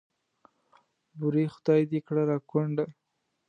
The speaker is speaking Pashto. بورې خدای دې کړه را کونډه.